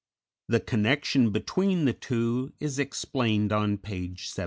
The connection between the two is explained on page 76.